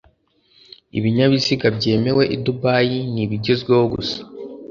ibinyabiziga byemewe i dubai nibigezweho gusa